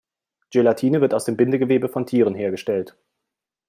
Gelatine wird aus dem Bindegewebe von Tieren hergestellt.